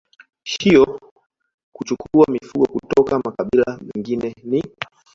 hiyo kuchukua mifugo kutoka makabila mengine ni